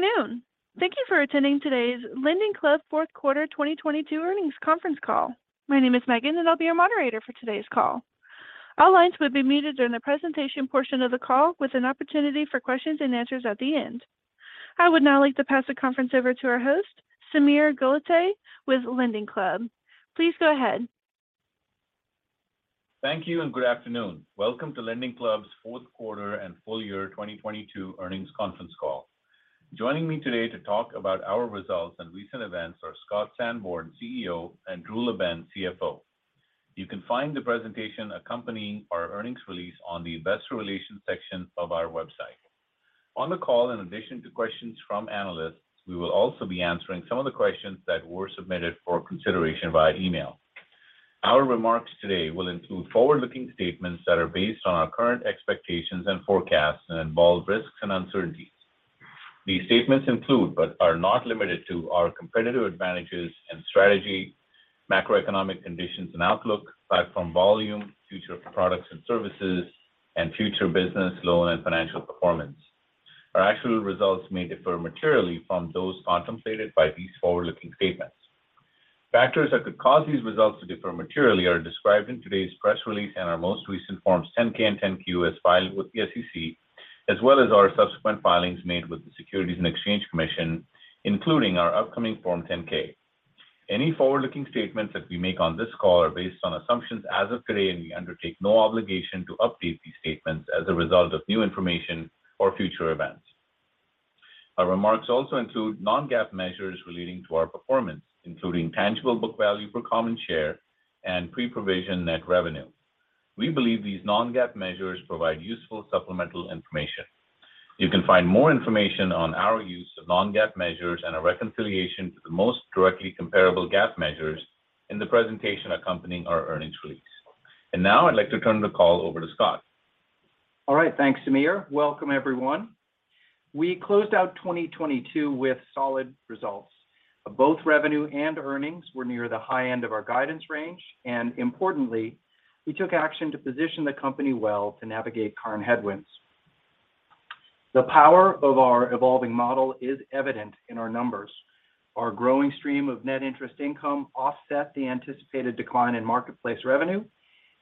Good afternoon. Thank you for attending today's LendingClub Fourth Quarter 2022 Earnings Conference Call. My name is Megan, and I'll be your moderator for today's call. All lines will be muted during the presentation portion of the call with an opportunity for questions and answers at the end. I would now like to pass the conference over to our host, Sameer Gulati, with LendingClub. Please go ahead. Thank you and good afternoon. Welcome to LendingClub's Fourth Quarter and Full year 2022 Earnings Conference Call. Joining me today to talk about our results and recent events are Scott Sanborn, CEO, and Drew LaBenne, CFO. You can find the presentation accompanying our earnings release on the investor relations section of our website. On the call, in addition to questions from analysts, we will also be answering some of the questions that were submitted for consideration via email. Our remarks today will include forward-looking statements that are based on our current expectations and forecasts and involve risks and uncertainties. These statements include, but are not limited to our competitive advantages and strategy, macroeconomic conditions and outlook, platform volume, future products and services, and future business loan and financial performance. Our actual results may differ materially from those contemplated by these forward-looking statements. Factors that could cause these results to differ materially are described in today's press release and our most recent Forms 10-K and 10-Q as filed with the SEC, as well as our subsequent filings made with the Securities and Exchange Commission, including our upcoming Form 10-K. Any forward-looking statements that we make on this call are based on assumptions as of today. We undertake no obligation to update these statements as a result of new information or future events. Our remarks also include non-GAAP measures relating to our performance, including tangible book value per common share and pre-provision net revenue. We believe these non-GAAP measures provide useful supplemental information. You can find more information on our use of non-GAAP measures and a reconciliation to the most directly comparable GAAP measures in the presentation accompanying our earnings release. Now I'd like to turn the call over to Scott. All right. Thanks, Sameer. Welcome, everyone. We closed out 2022 with solid results. Both revenue and earnings were near the high end of our guidance range. Importantly, we took action to position the company well to navigate current headwinds. The power of our evolving model is evident in our numbers. Our growing stream of net interest income offset the anticipated decline in marketplace revenue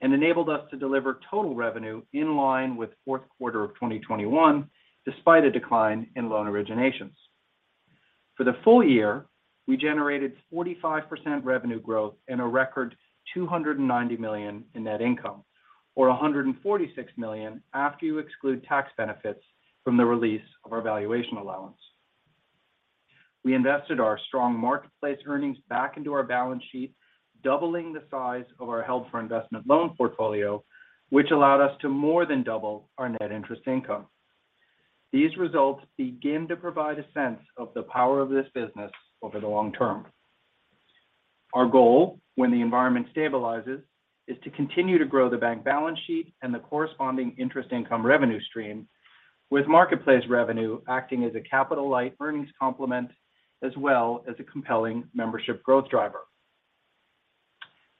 and enabled us to deliver total revenue in line with fourth quarter of 2021, despite a decline in loan originations. For the full year, we generated 45% revenue growth and a record $290 million in net income, or $146 million after you exclude tax benefits from the release of our valuation allowance. We invested our strong marketplace earnings back into our balance sheet, doubling the size of our held for investment loan portfolio, which allowed us to more than double our net interest income. These results begin to provide a sense of the power of this business over the long term. Our goal, when the environment stabilizes, is to continue to grow the bank balance sheet and the corresponding interest income revenue stream, with marketplace revenue acting as a capital-light earnings complement as well as a compelling membership growth driver.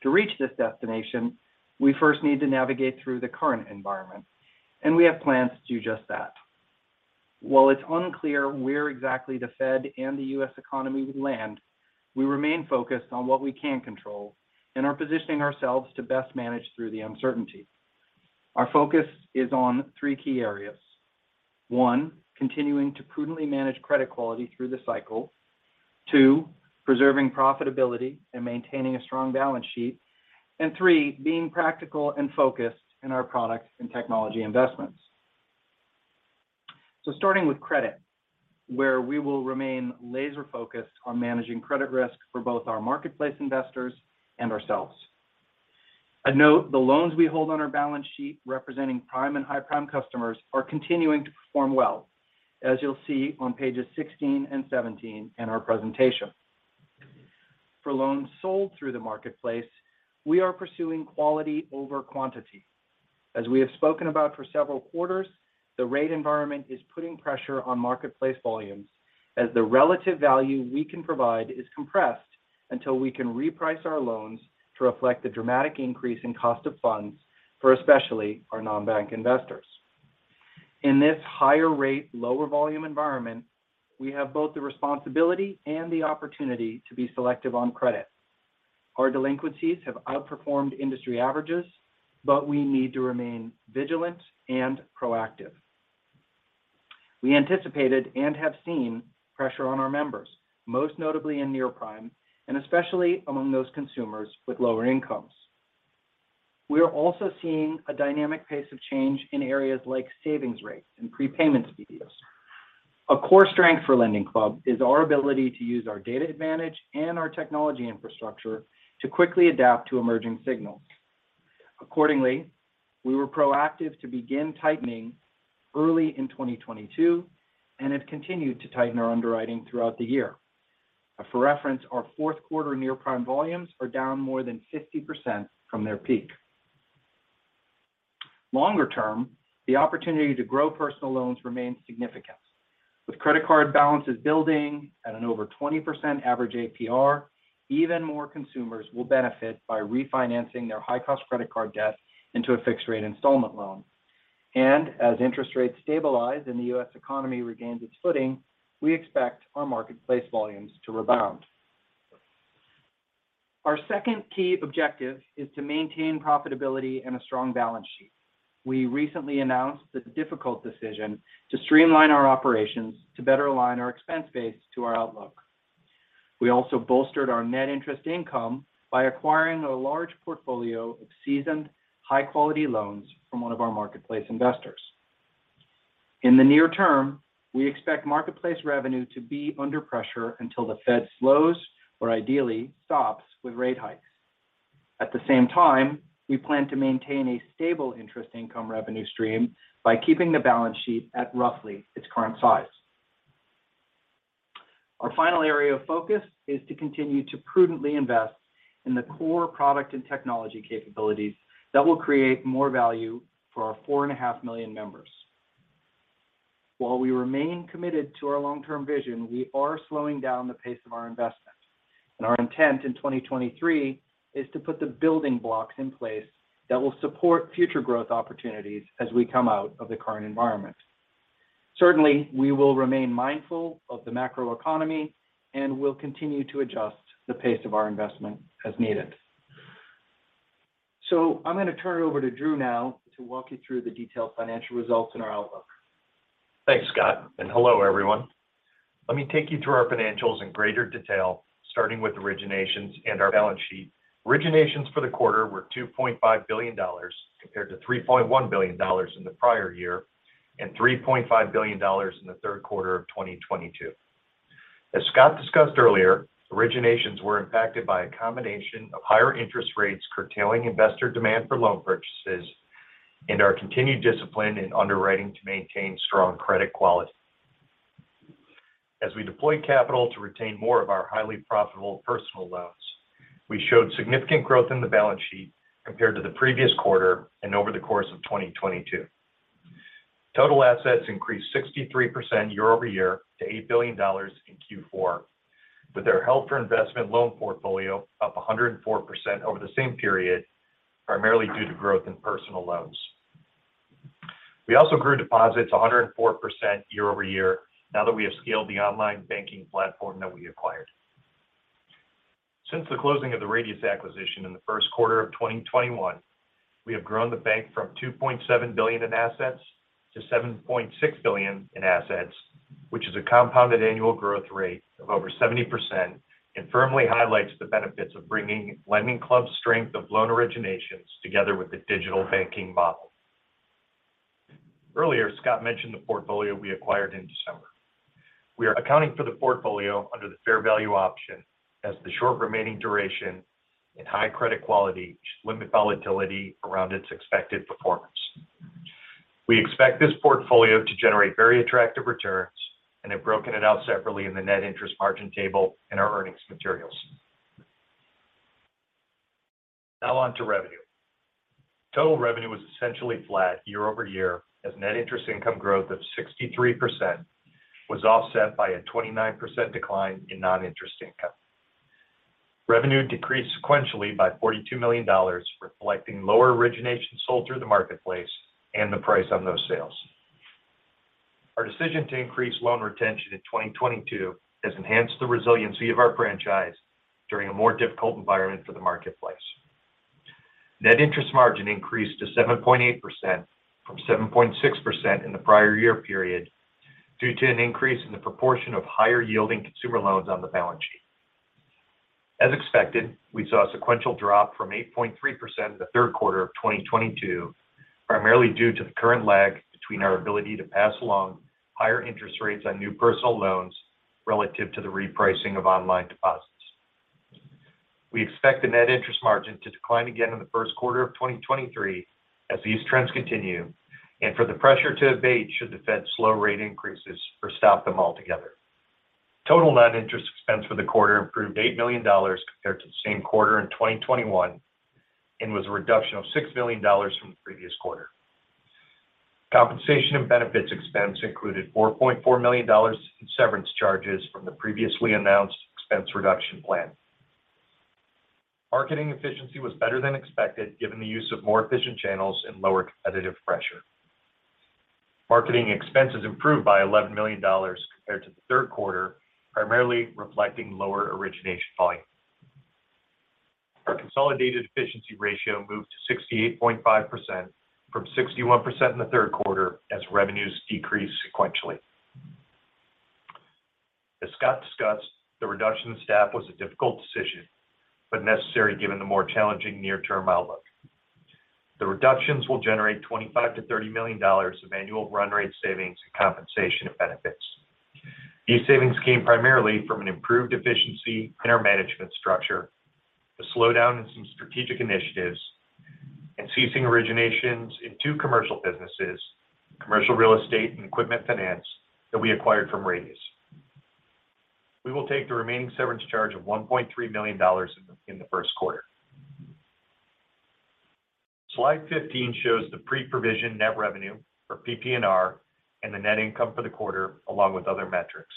To reach this destination, we first need to navigate through the current environment. We have plans to do just that. While it's unclear where exactly the Fed and the U.S. economy would land, we remain focused on what we can control and are positioning ourselves to best manage through the uncertainty. Our focus is on three key areas. One, continuing to prudently manage credit quality through the cycle. Two, preserving profitability and maintaining a strong balance sheet. Three, being practical and focused in our products and technology investments. Starting with credit, where we will remain laser-focused on managing credit risk for both our marketplace investors and ourselves. I note the loans we hold on our balance sheet representing prime and high prime customers are continuing to perform well, as you'll see on pages 16 and 17 in our presentation. For loans sold through the marketplace, we are pursuing quality over quantity. As we have spoken about for several quarters, the rate environment is putting pressure on marketplace volumes as the relative value we can provide is compressed until we can reprice our loans to reflect the dramatic increase in cost of funds for especially our non-bank investors. In this higher rate, lower volume environment, we have both the responsibility and the opportunity to be selective on credit. Our delinquencies have outperformed industry averages, but we need to remain vigilant and proactive. We anticipated and have seen pressure on our members, most notably in near-prime, and especially among those consumers with lower incomes. We are also seeing a dynamic pace of change in areas like savings rates and prepayment speeds. A core strength for LendingClub is our ability to use our data advantage and our technology infrastructure to quickly adapt to emerging signals. Accordingly, we were proactive to begin tightening early in 2022 and have continued to tighten our underwriting throughout the year. For reference, our 4th quarter near-prime volumes are down more than 50% from their peak. Longer term, the opportunity to grow personal loans remains significant. With credit card balances building at an over 20% average APR, even more consumers will benefit by refinancing their high-cost credit card debt into a fixed-rate installment loan. As interest rates stabilize and the U.S. economy regains its footing, we expect our marketplace volumes to rebound. Our second key objective is to maintain profitability and a strong balance sheet. We recently announced the difficult decision to streamline our operations to better align our expense base to our outlook. We also bolstered our net interest income by acquiring a large portfolio of seasoned, high-quality loans from one of our marketplace investors. In the near term, we expect marketplace revenue to be under pressure until the Fed slows or ideally stops with rate hikes. At the same time, we plan to maintain a stable interest income revenue stream by keeping the balance sheet at roughly its current size. Our final area of focus is to continue to prudently invest in the core product and technology capabilities that will create more value for our 4.5 million members. While we remain committed to our long-term vision, we are slowing down the pace of our investment. Our intent in 2023 is to put the building blocks in place that will support future growth opportunities as we come out of the current environment. Certainly, we will remain mindful of the macroeconomy and will continue to adjust the pace of our investment as needed. I'm going to turn it over to Drew now to walk you through the detailed financial results and our outlook. Thanks, Scott. Hello, everyone. Let me take you through our financials in greater detail, starting with originations and our balance sheet. Originations for the quarter were $2.5 billion compared to $3.1 billion in the prior year and $3.5 billion in the third quarter of 2022. As Scott discussed earlier, originations were impacted by a combination of higher interest rates curtailing investor demand for loan purchases and our continued discipline in underwriting to maintain strong credit quality. As we deployed capital to retain more of our highly profitable personal loans, we showed significant growth in the balance sheet compared to the previous quarter and over the course of 2022. Total assets increased 63% year-over-year to $8 billion in Q4, with our held-for-investment loan portfolio up 104% over the same period, primarily due to growth in personal loans. We also grew deposits 104% year-over-year now that we have scaled the online banking platform that we acquired. Since the closing of the Radius acquisition in the first quarter of 2021, we have grown the bank from $2.7 billion in assets to $7.6 billion in assets, which is a compounded annual growth rate of over 70% and firmly highlights the benefits of bringing LendingClub's strength of loan originations together with the digital banking model. Earlier, Scott mentioned the portfolio we acquired in December. We are accounting for the portfolio under the fair value option as the short remaining duration and high credit quality should limit volatility around its expected performance. We expect this portfolio to generate very attractive returns and have broken it out separately in the net interest margin table in our earnings materials. On to revenue. Total revenue was essentially flat year-over-year as net interest income growth of 63% was offset by a 29% decline in non-interest income. Revenue decreased sequentially by $42 million, reflecting lower originations sold through the marketplace and the price on those sales. Our decision to increase loan retention in 2022 has enhanced the resiliency of our franchise during a more difficult environment for the marketplace. Net interest margin increased to 7.8% from 7.6% in the prior year period due to an increase in the proportion of higher-yielding consumer loans on the balance sheet. As expected, we saw a sequential drop from 8.3% in the third quarter of 2022, primarily due to the current lag between our ability to pass along higher interest rates on new personal loans relative to the repricing of online deposits. We expect the net interest margin to decline again in the first quarter of 2023 as these trends continue and for the pressure to abate should the Fed slow rate increases or stop them altogether. Total non-interest expense for the quarter improved $8 million compared to the same quarter in 2021 and was a reduction of $6 million from the previous quarter. Compensation and benefits expense included $4.4 million in severance charges from the previously announced expense reduction plan. Marketing efficiency was better than expected given the use of more efficient channels and lower competitive pressure. Marketing expenses improved by $11 million compared to the third quarter, primarily reflecting lower origination volumes. Our consolidated efficiency ratio moved to 68.5% from 61% in the third quarter as revenues decreased sequentially. As Scott discussed, the reduction in staff was a difficult decision, but necessary given the more challenging near-term outlook. The reductions will generate $25 million-$30 million of annual run rate savings in compensation and benefits. These savings came primarily from an improved efficiency in our management structure, a slowdown in some strategic initiatives, and ceasing originations in two commercial businesses, commercial real estate and equipment finance, that we acquired from Radius. We will take the remaining severance charge of $1.3 million in the first quarter. Slide 15 shows the pre-provision net revenue for PPNR and the net income for the quarter, along with other metrics.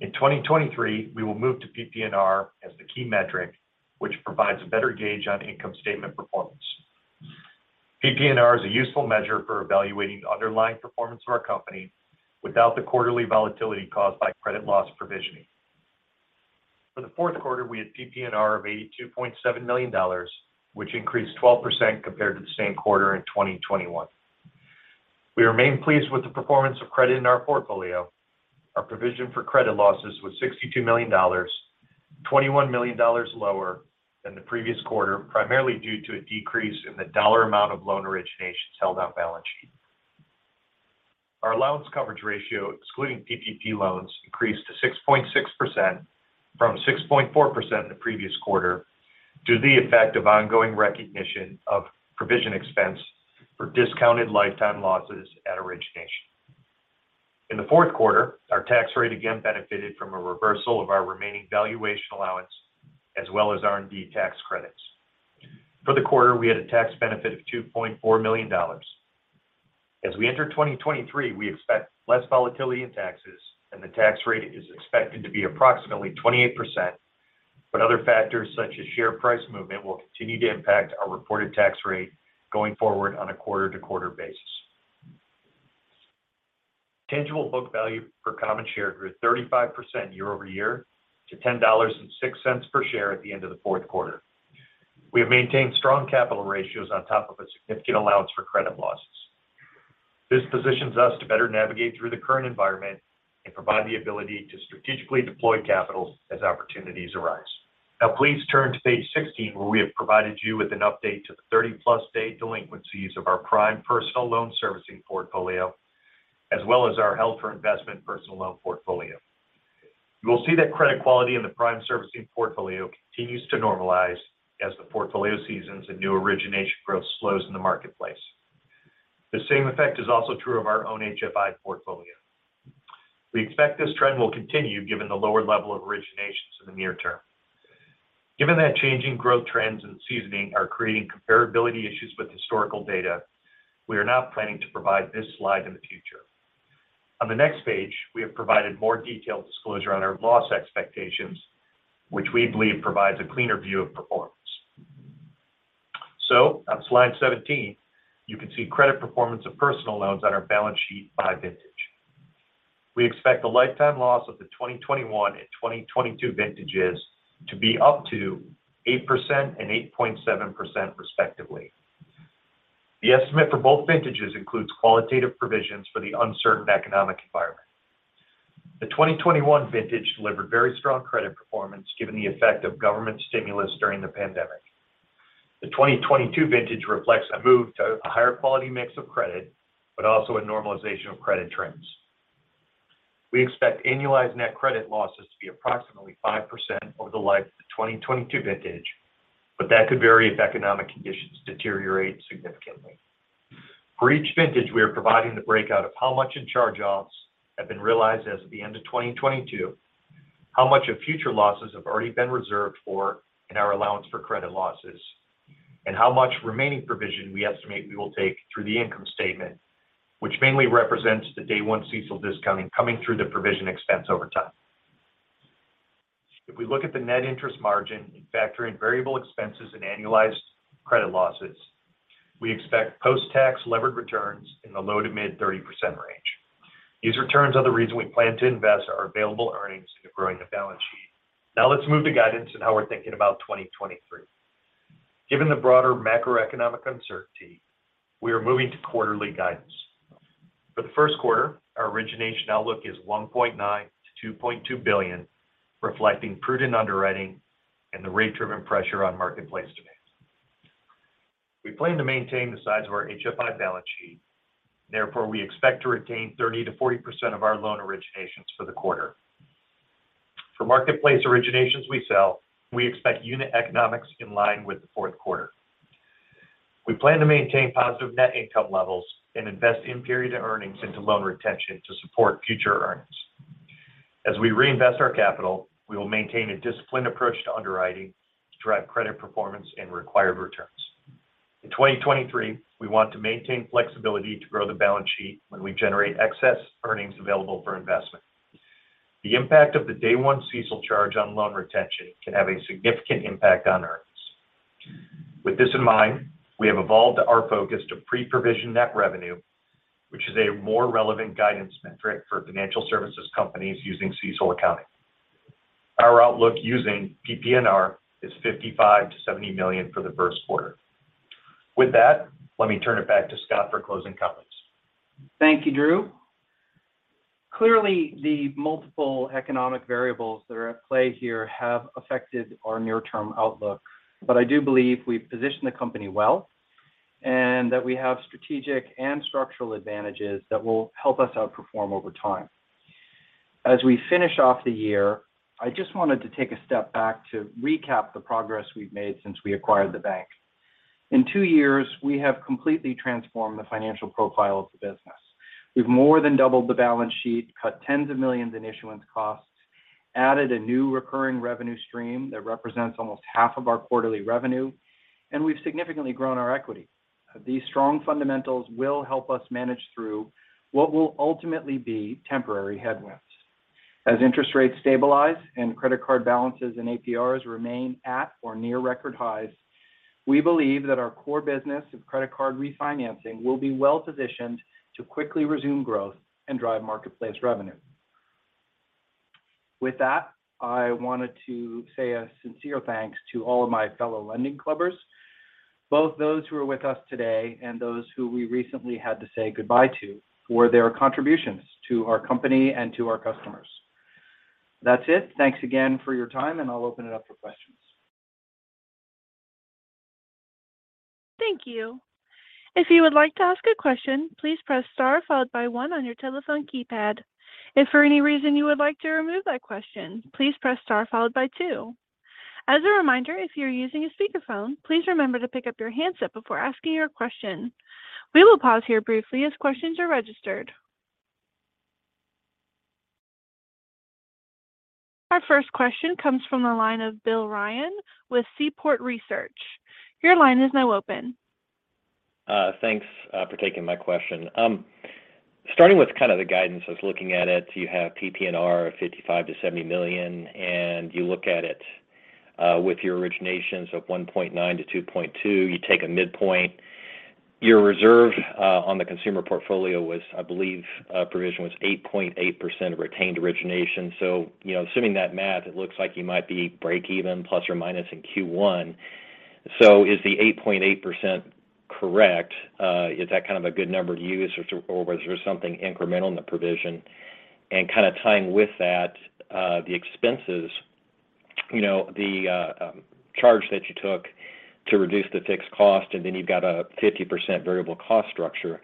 In 2023, we will move to PPNR as the key metric, which provides a better gauge on income statement performance. PPNR is a useful measure for evaluating the underlying performance of our company without the quarterly volatility caused by credit loss provisioning. For the fourth quarter, we had PPNR of $82.7 million, which increased 12% compared to the same quarter in 2021. We remain pleased with the performance of credit in our portfolio. Our provision for credit losses was $62 million, $21 million lower than the previous quarter, primarily due to a decrease in the dollar amount of loan originations held off-balance sheet. Our allowance coverage ratio, excluding PPP loans, increased to 6.6% from 6.4% in the previous quarter due to the effect of ongoing recognition of provision expense for discounted lifetime losses at origination. In the fourth quarter, our tax rate again benefited from a reversal of our remaining valuation allowance as well as R&D tax credits. For the quarter, we had a tax benefit of $2.4 million. As we enter 2023, we expect less volatility in taxes, and the tax rate is expected to be approximately 28%. Other factors such as share price movement will continue to impact our reported tax rate going forward on a quarter-to-quarter basis. Tangible book value per common share grew 35% year-over-year to $10.06 per share at the end of the fourth quarter. We have maintained strong capital ratios on top of a significant allowance for credit losses. This positions us to better navigate through the current environment and provide the ability to strategically deploy capital as opportunities arise. Please turn to page 16, where we have provided you with an update to the 30-plus day delinquencies of our prime personal loan servicing portfolio, as well as our held-for-investment personal loan portfolio. You will see that credit quality in the prime servicing portfolio continues to normalize as the portfolio seasons and new origination growth slows in the marketplace. The same effect is also true of our own HFI portfolio. We expect this trend will continue given the lower level of originations in the near term. Given that changing growth trends and seasoning are creating comparability issues with historical data, we are now planning to provide this slide in the future. On the next page, we have provided more detailed disclosure on our loss expectations, which we believe provides a cleaner view of performance. On slide 17, you can see credit performance of personal loans on our balance sheet by vintage. We expect the lifetime loss of the 2021 and 2022 vintages to be up to 8% and 8.7% respectively. The estimate for both vintages includes qualitative provisions for the uncertain economic environment. The 2021 vintage delivered very strong credit performance given the effect of government stimulus during the pandemic. The 2022 vintage reflects a move to a higher quality mix of credit, but also a normalization of credit trends. We expect annualized net credit losses to be approximately 5% over the life of the 2022 vintage, but that could vary if economic conditions deteriorate significantly. For each vintage, we are providing the breakout of how much in charge-offs have been realized as of the end of 2022, how much of future losses have already been reserved for in our allowance for credit losses, and how much remaining provision we estimate we will take through the income statement, which mainly represents the day one CECL discounting coming through the provision expense over time. If we look at the net interest margin and factor in variable expenses and annualized credit losses, we expect post-tax levered returns in the low to mid-30% range. These returns are the reason we plan to invest our available earnings into growing the balance sheet. Now let's move to guidance and how we're thinking about 2023. Given the broader macroeconomic uncertainty, we are moving to quarterly guidance. For the first quarter, our origination outlook is $1.9 billion-$2.2 billion, reflecting prudent underwriting and the rate-driven pressure on marketplace demands. We plan to maintain the size of our HFI balance sheet. Therefore, we expect to retain 30%-40% of our loan originations for the quarter. For marketplace originations we sell, we expect unit economics in line with the fourth quarter. We plan to maintain positive net income levels and invest in period earnings into loan retention to support future earnings. As we reinvest our capital, we will maintain a disciplined approach to underwriting to drive credit performance and required returns. In 2023, we want to maintain flexibility to grow the balance sheet when we generate excess earnings available for investment. The impact of the day one CECL charge on loan retention can have a significant impact on earnings. With this in mind, we have evolved our focus to pre-provision net revenue, which is a more relevant guidance metric for financial services companies using CECL accounting. Our outlook using PPNR is $55 million-$70 million for the first quarter. With that, let me turn it back to Scott for closing comments. Thank you, Drew. Clearly, the multiple economic variables that are at play here have affected our near-term outlook. I do believe we've positioned the company well, and that we have strategic and structural advantages that will help us outperform over time. As we finish off the year, I just wanted to take a step back to recap the progress we've made since we acquired the bank. In two years, we have completely transformed the financial profile of the business. We've more than doubled the balance sheet, cut tens of millions in issuance costs. Added a new recurring revenue stream that represents almost half of our quarterly revenue, and we've significantly grown our equity. These strong fundamentals will help us manage through what will ultimately be temporary headwinds. As interest rates stabilize and credit card balances and APRs remain at or near record highs, we believe that our core business of credit card refinancing will be well-positioned to quickly resume growth and drive marketplace revenue. With that, I wanted to say a sincere thanks to all of my fellow LendingClubbers, both those who are with us today and those who we recently had to say goodbye to for their contributions to our company and to our customers. That's it. Thanks again for your time, and I'll open it up for questions. Thank you. If you would like to ask a question, please press star followed by one on your telephone keypad. If for any reason you would like to remove that question, please press star followed by two. As a reminder, if you're using a speakerphone, please remember to pick up your handset before asking your question. We will pause here briefly as questions are registered. Our first question comes from the line of Bill Ryan with Seaport Research. Your line is now open. Thanks for taking my question. Starting with kind of the guidance I was looking at it, you have PPNR of $55 million-$70 million, and you look at it with your originations of $1.9 billion-$2.2 billion. You take a midpoint. Your reserve on the consumer portfolio was, I believe, provision was 8.8% of retained origination. You know, assuming that math, it looks like you might be break even ± in Q1. Is the 8.8% correct? Is that kind of a good number to use or is there something incremental in the provision? Kind of tying with that, the expenses, you know, the charge that you took to reduce the fixed cost, and then you've got a 50% variable cost structure.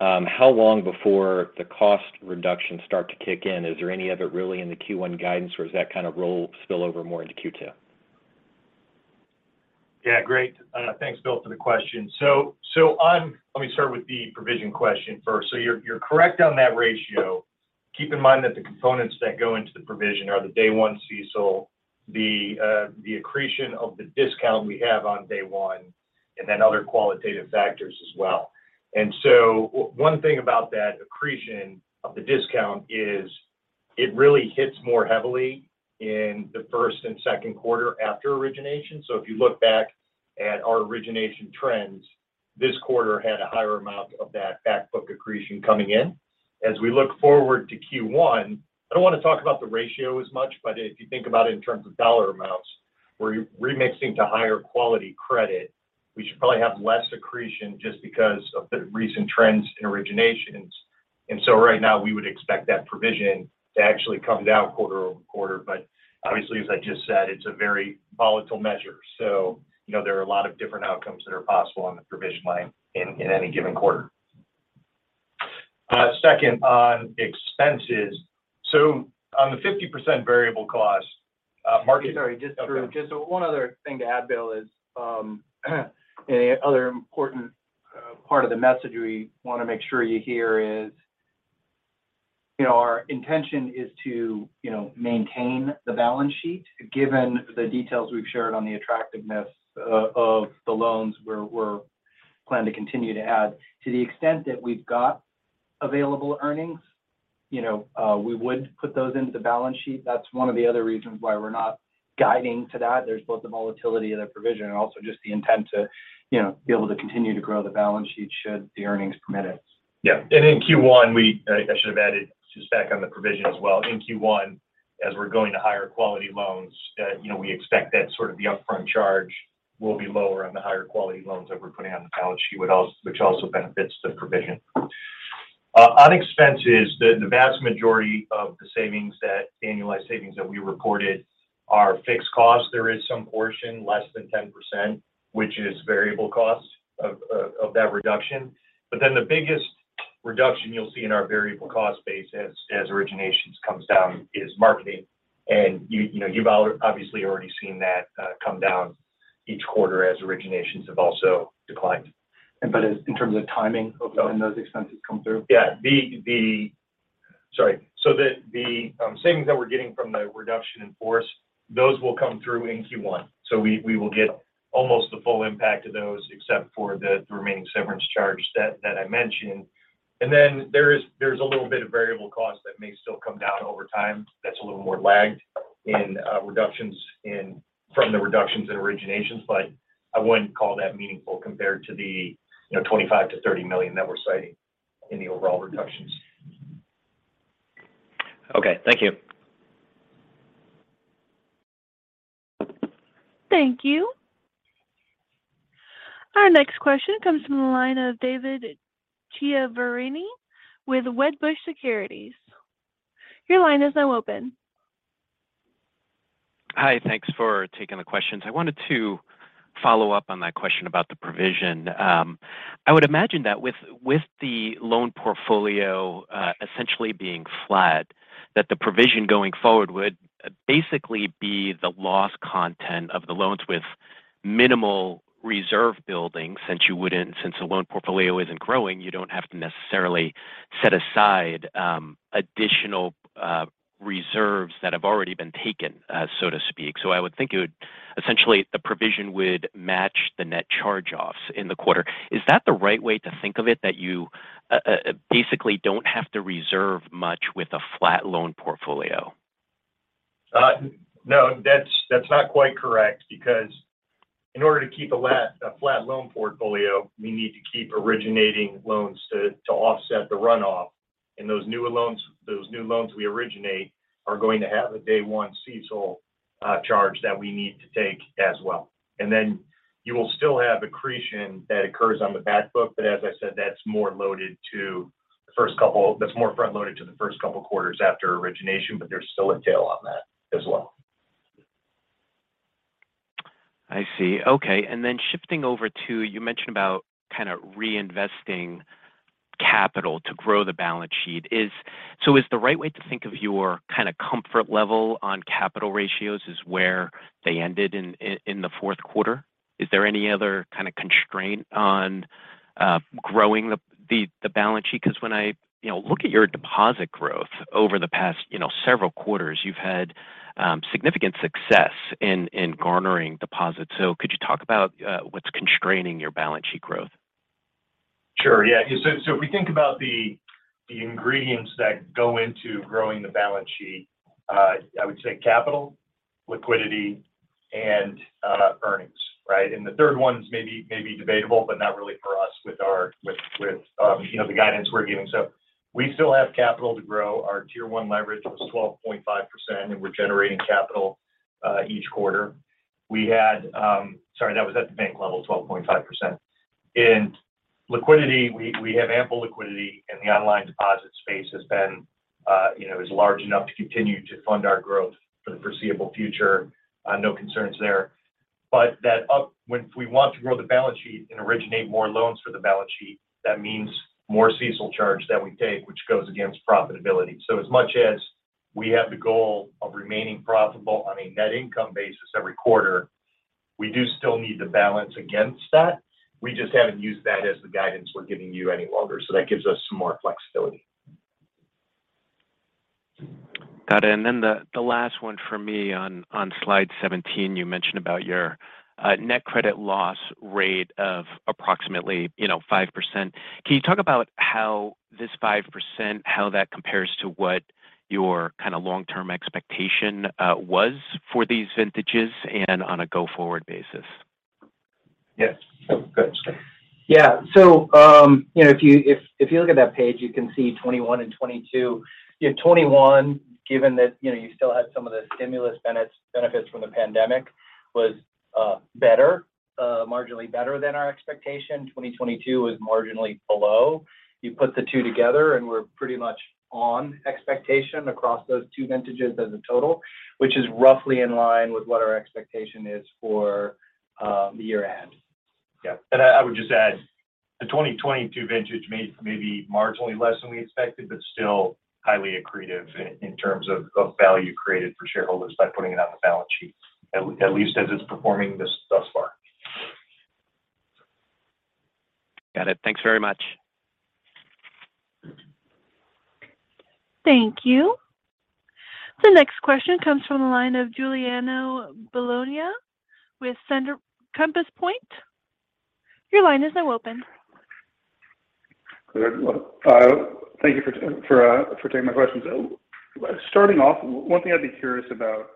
How long before the cost reductions start to kick in? Is there any of it really in the Q1 guidance, or does that kind of spill over more into Q2? Yeah, great. Thanks, Bill, for the question. Let me start with the provision question first. You're correct on that ratio. Keep in mind that the components that go into the provision are the day one CECL, the accretion of the discount we have on day one, and then other qualitative factors as well. One thing about that accretion of the discount is it really hits more heavily in the first and second quarter after origination. If you look back at our origination trends, this quarter had a higher amount of that back book accretion coming in. As we look forward to Q1, I don't want to talk about the ratio as much, but if you think about it in terms of dollar amounts, we're remixing to higher quality credit. We should probably have less accretion just because of the recent trends in originations. Right now, we would expect that provision to actually come down quarter-over-quarter. Obviously, as I just said, it's a very volatile measure. You know, there are a lot of different outcomes that are possible on the provision line in any given quarter. Second, on expenses. On the 50% variable cost, Sorry, just Drew. Just one other thing to add, Bill, is another important part of the message we want to make sure you hear is, you know, our intention is to, you know, maintain the balance sheet, given the details we've shared on the attractiveness of the loans we're planning to continue to add. To the extent that we've got available earnings, you know, we would put those into the balance sheet. That's one of the other reasons why we're not guiding to that. There's both the volatility of the provision and also just the intent to, you know, be able to continue to grow the balance sheet should the earnings permit it. Yeah. In Q1, I should have added just back on the provision as well. In Q1, as we're going to higher quality loans, you know, we expect that sort of the upfront charge will be lower on the higher quality loans that we're putting on the balance sheet which also benefits the provision. On expenses, the vast majority of the annualized savings that we reported are fixed costs. There is some portion, less than 10%, which is variable cost of that reduction. The biggest reduction you'll see in our variable cost base as originations comes down is marketing. You, you know, you've obviously already seen that come down each quarter as originations have also declined. As in terms of timing of when those expenses come through. Yeah. Sorry. The savings that we're getting from the reduction in force, those will come through in Q1. We will get almost the full impact of those, except for the remaining severance charge that I mentioned. There's a little bit of variable cost that may still come down over time that's a little more lagged in from the reductions in originations. I wouldn't call that meaningful compared to the, you know, $25 million-$30 million that we're citing in the overall reductions. Okay. Thank you. Thank you. Our next question comes from the line of David Chiaverini with Wedbush Securities. Your line is now open. Hi. Thanks for taking the questions. I wanted to follow up on that question about the provision. I would imagine that with the loan portfolio essentially being flat, that the provision going forward would basically be the loss content of the loans with minimal reserve building. Since the loan portfolio isn't growing, you don't have to necessarily set aside additional reserves that have already been taken, so to speak. I would think it would essentially the provision would match the net charge-offs in the quarter. Is that the right way to think of it, that you basically don't have to reserve much with a flat loan portfolio? No, that's not quite correct because in order to keep a flat loan portfolio, we need to keep originating loans to offset the runoff. Those new loans we originate are going to have a day 1 CECL charge that we need to take as well. Then you will still have accretion that occurs on the back book. As I said, that's more loaded to the first couple. That's more front-loaded to the first couple quarters after origination, but there's still a tail on that as well. I see. Okay, then shifting over to, you mentioned about kind of reinvesting capital to grow the balance sheet. So is the right way to think of your kind of comfort level on capital ratios is where they ended in the fourth quarter? Is there any other kind of constraint on growing the balance sheet? When I, you know, look at your deposit growth over the past, you know, several quarters, you've had significant success in garnering deposits. Could you talk about what's constraining your balance sheet growth? Sure. Yeah. If we think about the ingredients that go into growing the balance sheet, I would say capital, liquidity, and earnings, right? The third one is maybe debatable, but not really for us with our, with, you know, the guidance we're giving. We still have capital to grow. Our Tier 1 leverage was 12.5%, and we're generating capital each quarter. We had. Sorry, that was at the bank level, 12.5%. In liquidity, we have ample liquidity, and the online deposit space has been, you know, is large enough to continue to fund our growth for the foreseeable future. No concerns there. If we want to grow the balance sheet and originate more loans for the balance sheet, that means more CECL charge that we take, which goes against profitability. As much as we have the goal of remaining profitable on a net income basis every quarter, we do still need to balance against that. We just haven't used that as the guidance we're giving you any longer. That gives us some more flexibility. Got it. The last one for me, on slide 17, you mentioned about your net credit loss rate of approximately, you know, 5%. Can you talk about how this 5%, how that compares to what your kind of long-term expectation was for these vintages and on a go-forward basis? Yes. Go ahead, Scott. Yeah. You know, if you look at that page, you can see 2021 and 2022. You know, 2021, given that, you know, you still had some of the stimulus benefits from the pandemic was better, marginally better than our expectation, 2022 was marginally below. You put the 2 together, we're pretty much on expectation across those two vintages as a total, which is roughly in line with what our expectation is for the year end. Yeah. I would just add the 2022 vintage made maybe marginally less than we expected, but still highly accretive in terms of value created for shareholders by putting it on the balance sheet, at least as it's performing thus far. Got it. Thanks very much. Thank you. The next question comes from the line of Giuliano Bologna with Compass Point. Your line is now open. Thank you for taking my questions. Starting off, one thing I'd be curious about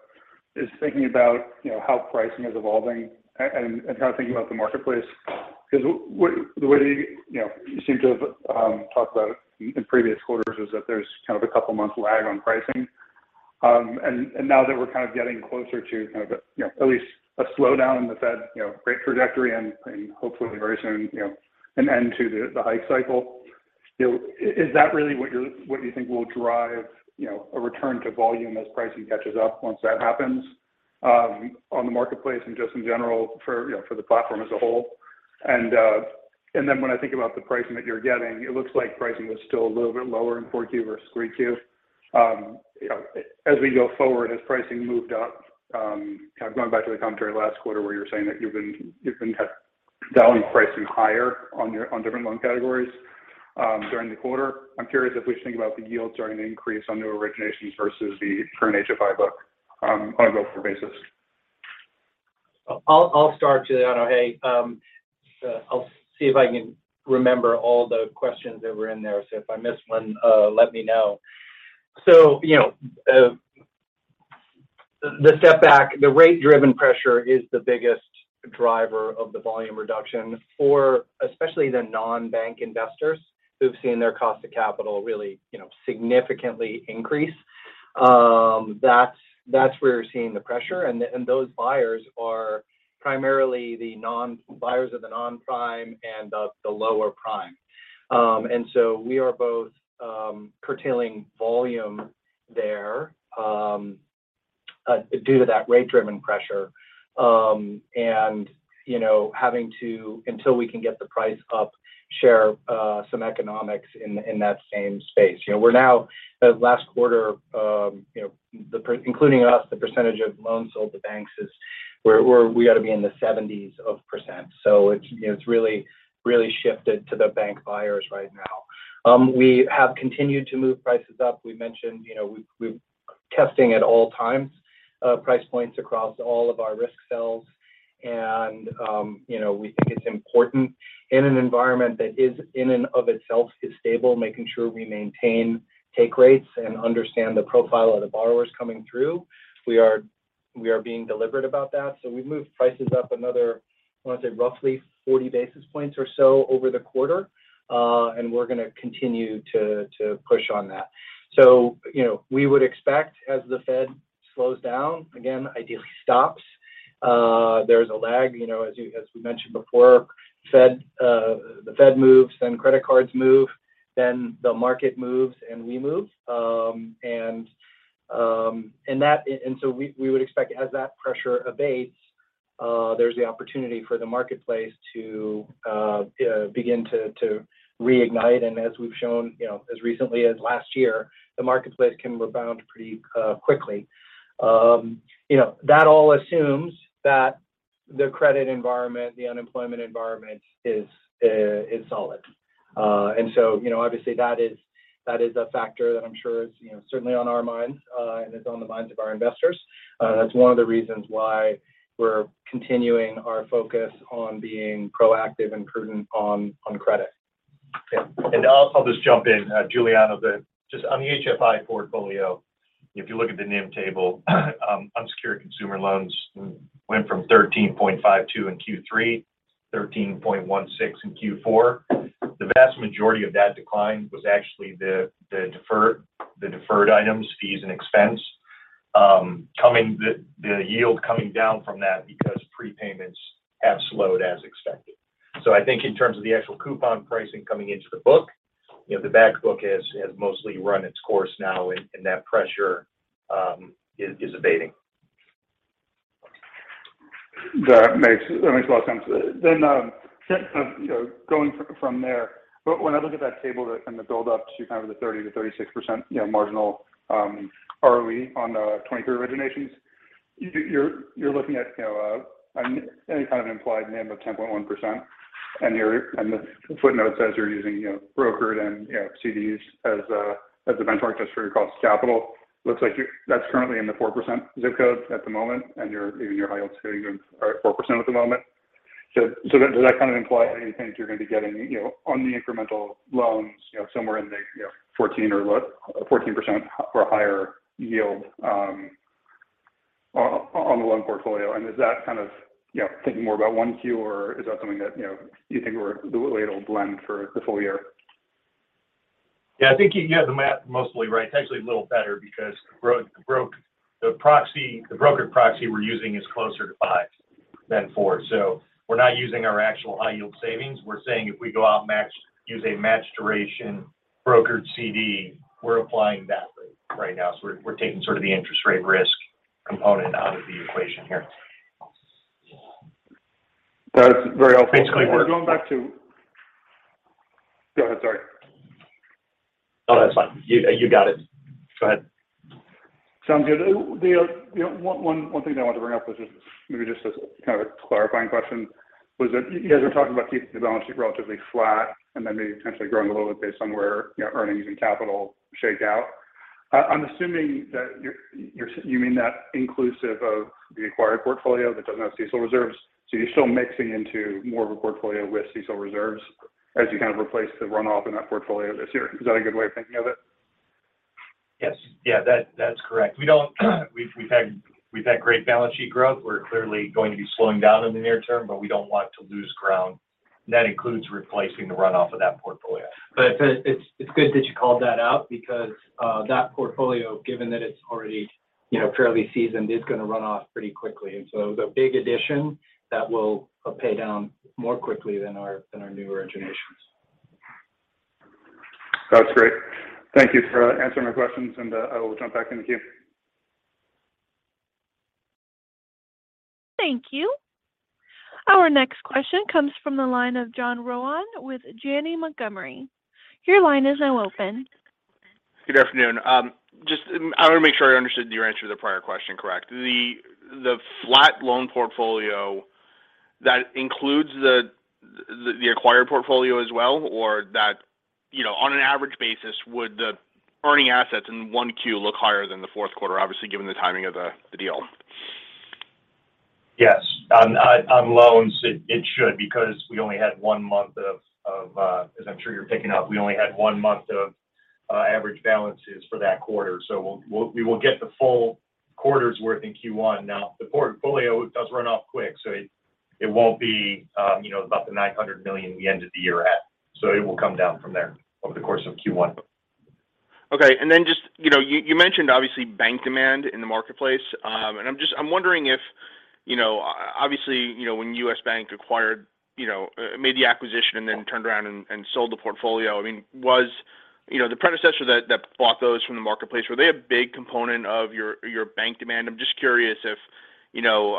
is thinking about, you know, how pricing is evolving and kind of thinking about the marketplace, because with the way, you know, you seem to have talked about in previous quarters is that there's kind of a couple-month lag on pricing. Now that we're kind of getting closer to kind of a, you know, at least a slowdown in the Fed, you know, rate trajectory and hopefully very soon, you know, an end to the hike cycle, you know, is that really what you're what you think will drive, you know, a return to volume as pricing catches up once that happens on the marketplace and just in general for, you know, for the platform as a whole? Then when I think about the pricing that you're getting, it looks like pricing was still a little bit lower in 4Q versus 3Q. You know, as we go forward, has pricing moved up? Kind of going back to the commentary last quarter where you've been dialing pricing higher on different loan categories during the quarter. I'm curious if we think about the yields are going to increase on new originations versus the current HFI book on a go-forward basis. I'll start, Giuliano. Hey, I'll see if I can remember all the questions that were in there. If I miss one, let me know. You know, the step back, the rate-driven pressure is the biggest driver of the volume reduction for especially the non-bank investors who've seen their cost of capital really, you know, significantly increase. That's where we're seeing the pressure. Those buyers are primarily the non-buyers of the non-prime and of the lower prime. We are both curtailing volume there due to that rate-driven pressure, and, you know, having to, until we can get the price up, share some economics in that same space. You know, we're now, the last quarter, you know, including us, the percentage of loans sold to banks is where we ought to be in the 70s%. It's really shifted to the bank buyers right now. We have continued to move prices up. We mentioned, we're testing at all times price points across all of our risk cells. We think it's important in an environment that is in and of itself is stable, making sure we maintain take rates and understand the profile of the borrowers coming through. We are being deliberate about that. We've moved prices up another, I want to say roughly 40 basis points or so over the quarter. We're gonna continue to push on that. You know, we would expect as the Fed slows down, again, ideally stops, there's a lag. You know, as we mentioned before, Fed, the Fed moves, then credit cards move, then the market moves, and we move. We, we would expect as that pressure abates, there's the opportunity for the marketplace to begin to reignite. As we've shown, you know, as recently as last year, the marketplace can rebound pretty quickly. You know, that all assumes that the credit environment, the unemployment environment is solid. You know, obviously that is, that is a factor that I'm sure is, you know, certainly on our minds, and it's on the minds of our investors. That's one of the reasons why we're continuing our focus on being proactive and prudent on credit. I'll just jump in, Giuliano. Just on the HFI portfolio, if you look at the NIM table, unsecured consumer loans went from 13.52% in Q3, 13.16% in Q4. The vast majority of that decline was actually the deferred items, fees, and expense, the yield coming down from that because prepayments have slowed as expected. I think in terms of the actual coupon pricing coming into the book, you know, the back book has mostly run its course now, and that pressure is abating. That makes a lot of sense. you know, from there, when I look at that table and the build up to kind of the 30%-36%, you know, marginal ROE on the 2023 originations, you're looking at, you know, any kind of implied NIM of 10.1%. the footnote says you're using, you know, brokered and, you know, CDs as the benchmark just for your cost capital. Looks like that's currently in the 4% ZIP code at the moment, even your high yield savings are at 4% at the moment. So does that kind of imply that you think you're going to be getting, you know, on the incremental loans, you know, somewhere in the, you know, 14% or higher yield on the loan portfolio? Is that kind of, you know, thinking more about 1Q, or is that something that, you know, you think or the way it'll blend for the full year? Yeah, I think you have the math mostly right. It's actually a little better because the proxy, the brokered proxy we're using is closer to five than four. We're not using our actual high yield savings. We're saying if we go out use a match duration brokered CD, we're applying that rate right now. We're taking sort of the interest rate risk component out of the equation here. That's very helpful. Thank you. Basically, we're going back to... Go ahead, sorry. Oh, that's fine. You got it. Go ahead. Sounds good. The, you know, one thing that I wanted to bring up was just maybe just as kind of a clarifying question, was that you guys are talking about keeping the balance sheet relatively flat and then maybe potentially growing a little bit based on where, you know, earnings and capital shake out? I'm assuming that you mean that inclusive of the acquired portfolio that doesn't have CECL reserves. So you're still mixing into more of a portfolio with CECL reserves as you kind of replace the runoff in that portfolio this year. Is that a good way of thinking of it? Yes. Yeah, that's correct. We don't we've had great balance sheet growth. We're clearly going to be slowing down in the near term, but we don't want to lose ground. That includes replacing the runoff of that portfolio. It's good that you called that out because that portfolio, given that it's already, you know, fairly seasoned, is going to run off pretty quickly. It was a big addition that will pay down more quickly than our newer originations. That's great. Thank you for answering my questions, and I will jump back in the queue. Thank you. Our next question comes from the line of John Rowan with Janney Montgomery. Your line is now open. Good afternoon. I want to make sure I understood your answer to the prior question correct. The flat loan portfolio, that includes the acquired portfolio as well, or that, you know, on an average basis, would the earning assets in 1Q look higher than the fourth quarter, obviously, given the timing of the deal? Yes. On, on loans, it should because we only had one month of, as I'm sure you're picking up, we only had one month of average balances for that quarter. We will get the full quarter's worth in Q1. The portfolio does run off quick, so it won't be, you know, about the $900 million the end of the year at. It will come down from there over the course of Q1. Okay. Just, you know, you mentioned obviously bank demand in the marketplace. I'm wondering if, you know, obviously, you know, when U.S. Bank acquired, you know, made the acquisition and then turned around and sold the portfolio, I mean, was, you know, the predecessor that bought those from the marketplace, were they a big component of your bank demand? I'm just curious if, you know,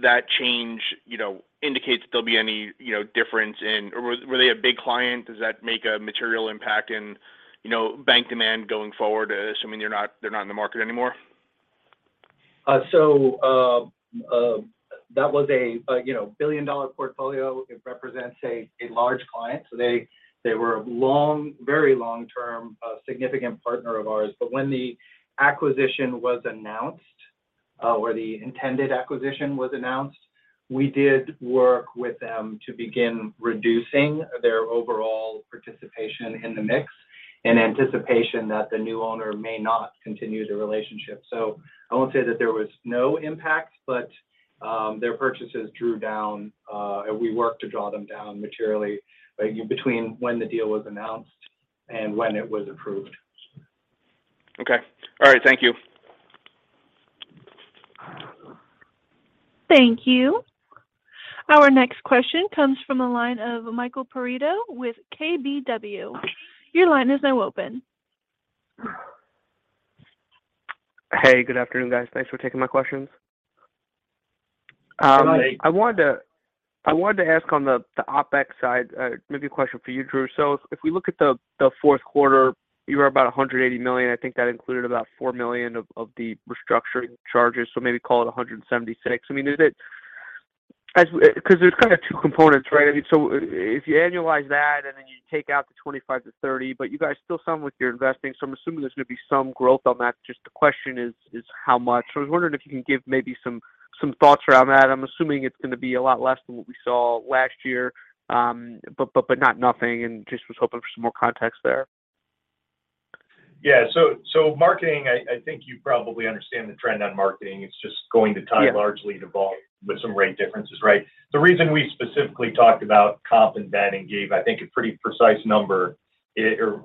that change, you know, indicates there'll be any, you know. Or were they a big client? Does that make a material impact in, you know, bank demand going forward, assuming they're not, they're not in the market anymore? That was a, you know, billion-dollar portfolio. It represents a large client. They were a long, very long-term, significant partner of ours. When the acquisition was announced, or the intended acquisition was announced, we did work with them to begin reducing their overall participation in the mix in anticipation that the new owner may not continue the relationship. I won't say that there was no impact, but their purchases drew down, and we worked to draw them down materially, between when the deal was announced and when it was approved. Okay. All right. Thank you. Thank you. Our next question comes from the line of Michael Perito with KBW. Your line is now open. Hey, good afternoon, guys. Thanks for taking my questions. Sure, Nate. I wanted to ask on the OpEx side, maybe a question for you, Drew. If we look at the fourth quarter, you were about $180 million. I think that included about $4 million of the restructuring charges, so maybe call it $176 million. I mean, 'cause there's kind of two components, right? I mean, if you annualize that, and then you take out the $25 million-$30 million, but you guys still sound like you're investing, so I'm assuming there's gonna be some growth on that. Just the question is, how much? I was wondering if you can give maybe some thoughts around that. I'm assuming it's gonna be a lot less than what we saw last year, but not nothing, and just was hoping for some more context there. Yeah. Marketing, I think you probably understand the trend on marketing. It's just going to tie- Yeah largely to volume with some rate differences, right? The reason we specifically talked about comp and then gave, I think, a pretty precise number or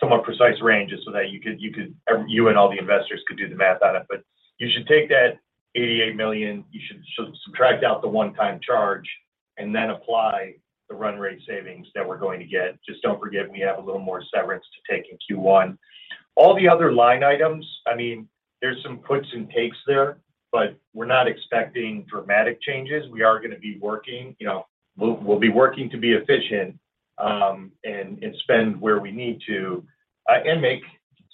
somewhat precise ranges so that you could you and all the investors could do the math on it. You should take that $88 million, you should subtract out the one-time charge, and then apply the run rate savings that we're going to get. Just don't forget we have a little more severance to take in Q1. All the other line items, I mean, there's some puts and takes there, but we're not expecting dramatic changes. We are gonna be working, you know, we'll be working to be efficient, and spend where we need to, and make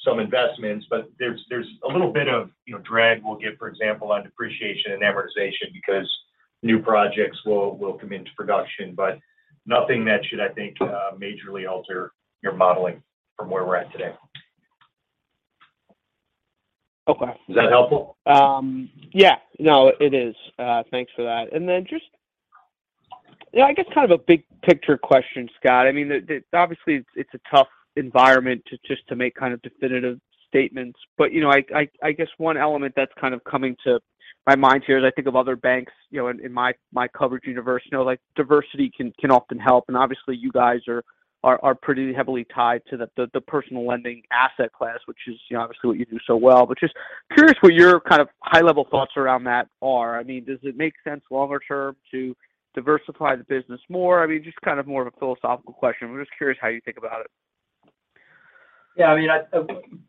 some investments. There's a little bit of, you know, drag we'll get, for example, on depreciation and amortization because new projects will come into production. Nothing that should, I think, majorly alter your modeling from where we're at today. Okay. Is that helpful? Yeah. No, it is. Thanks for that. Yeah, I guess kind of a big picture question, Scott. I mean, obviously, it's a tough environment just to make kind of definitive statements. You know, I guess one element that's kind of coming to my mind here as I think of other banks, you know, in my coverage universe, you know, like diversity can often help. Obviously, you guys are pretty heavily tied to the personal lending asset class, which is, you know, obviously what you do so well. Just curious what your kind-of high-level thoughts around that are. I mean, does it make sense longer term to diversify the business more? I mean, just kind of more of a philosophical question, just curious how you think about it. I mean,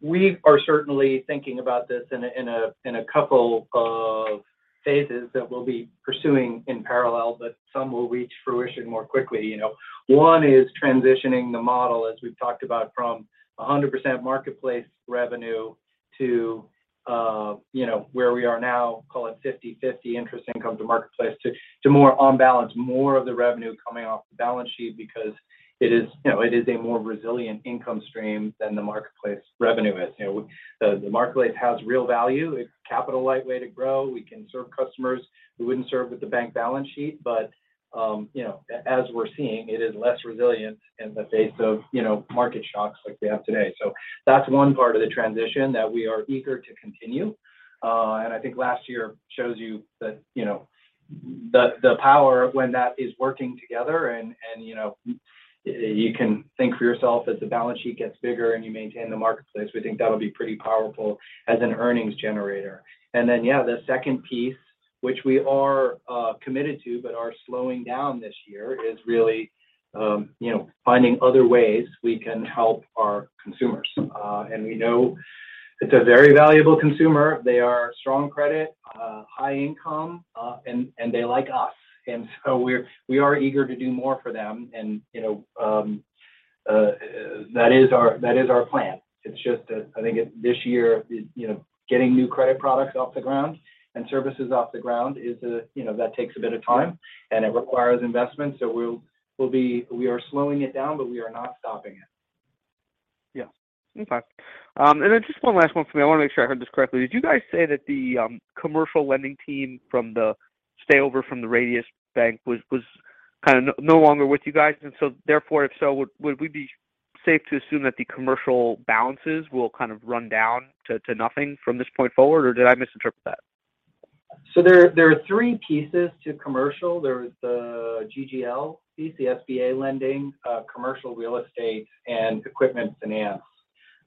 We are certainly thinking about this in a couple of phases that we'll be pursuing in parallel, but some will reach fruition more quickly, you know. One is transitioning the model, as we've talked about, from 100% marketplace revenue to, you know, where we are now, call it 50/50 interest income to marketplace to more on balance, more of the revenue coming off the balance sheet because it is, you know, it is a more resilient income stream than the marketplace revenue is. You know, the marketplace has real value. It's a capital light way to grow. We can serve customers we wouldn't serve with the bank balance sheet. You know, as we're seeing, it is less resilient in the face of, you know, market shocks like we have today. That's one part of the transition that we are eager to continue. I think last year shows you the, you know, the power when that is working together and, you know, you can think for yourself as the balance sheet gets bigger and you maintain the marketplace. We think that'll be pretty powerful as an earnings generator. Then, yeah, the second piece, which we are committed to but are slowing down this year is really, you know, finding other ways we can help our consumers. We know it's a very valuable consumer. They are strong credit, high income, and they like us. So we are eager to do more for them and, you know, that is our plan. It's just that I think this year is, you know, getting new credit products off the ground and services off the ground is a, you know, that takes a bit of time, and it requires investment. We are slowing it down, but we are not stopping it. Yeah. Okay. Then just one last one for me. I wanna make sure I heard this correctly. Did you guys say that the commercial lending team from the stay over from the Radius Bank was kind of no longer with you guys? Therefore, if so, would we be safe to assume that the commercial balances will kind of run down to nothing from this point forward, or did I misinterpret that? There are three pieces to commercial. There's the GGL piece, the SBA lending, commercial real estate, and equipment finance.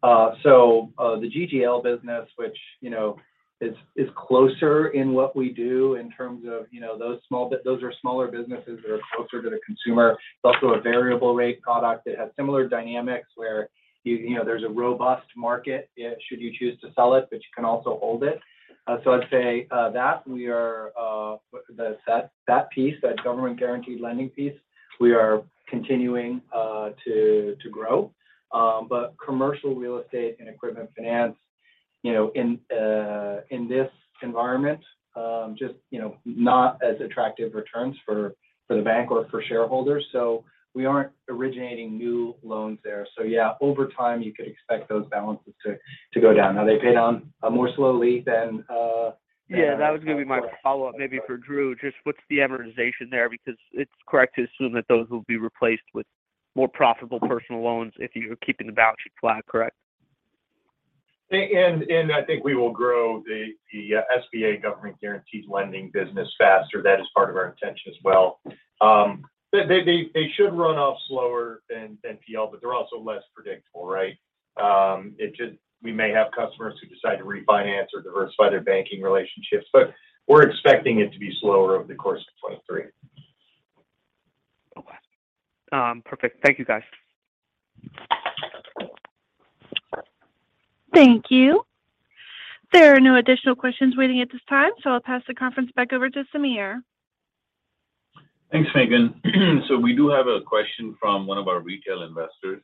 The GGL business, which, you know, is closer in what we do in terms of, you know, those smaller businesses that are closer to the consumer. It's also a variable rate product. It has similar dynamics where you know, there's a robust market should you choose to sell it, but you can also hold it. I'd say that we are the set, that piece, that government guaranteed lending piece, we are continuing to grow. Commercial real estate and equipment finance. You know, in this environment, just, you know, not as attractive returns for the bank or for shareholders, so we aren't originating new loans there. Yeah, over time, you could expect those balances to go down. They pay down, more slowly than. Yeah, that was gonna be my follow-up maybe for Drew. Just what's the amortization there? Because it's correct to assume that those will be replaced with more profitable personal loans if you're keeping the balance sheet flat, correct? I think we will grow the SBA Government Guaranteed lending business faster. That is part of our intention as well. They should run off slower than PL, but they're also less predictable, right? We may have customers who decide to refinance or diversify their banking relationships, but we're expecting it to be slower over the course of 2023. Okay. perfect. Thank you, guys. Thank you. There are no additional questions waiting at this time, so I'll pass the conference back over to Sameer. Thanks, Megan. We do have a question from one of our retail investors.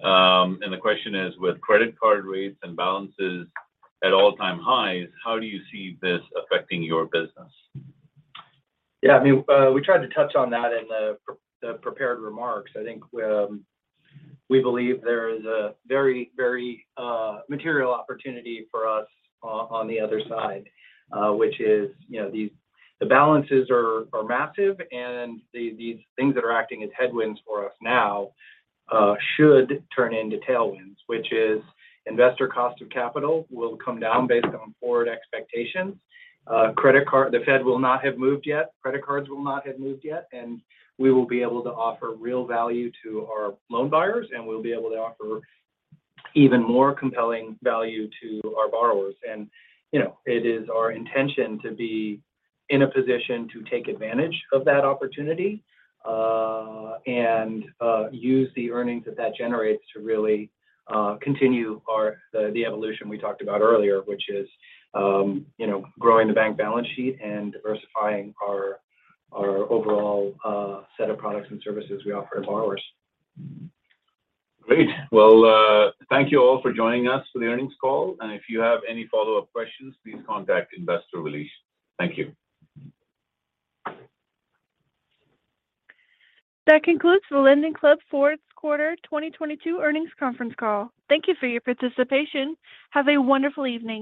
The question is: with credit card rates and balances at all-time highs, how do you see this affecting your business? I mean, we tried to touch on that in the prepared remarks. I think, we believe there is a very, very material opportunity for us on the other side, which is, you know, the balances are massive, and these things that are acting as headwinds for us now, should turn into tailwinds, which is investor cost of capital will come down based on forward expectations. Credit card the Fed will not have moved yet. Credit cards will not have moved yet. We will be able to offer real value to our loan buyers. We'll be able to offer even more compelling value to our borrowers. You know, it is our intention to be in a position to take advantage of that opportunity, and use the earnings that that generates to really, continue the evolution we talked about earlier, which is, you know, growing the bank balance sheet and diversifying our overall set of products and services we offer our borrowers. Great. Well, thank you all for joining us for the earnings call. If you have any follow-up questions, please contact Investor Relations. Thank you. That concludes the LendingClub Fourth Quarter 2022 Earnings Conference Call. Thank you for your participation. Have a wonderful evening